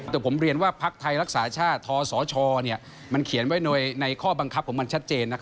แต่ผมเรียนว่าพักไทยรักษาชาติทศชมันเขียนไว้ในข้อบังคับของมันชัดเจน